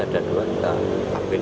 ada dua tadi sempat berkejar kejaran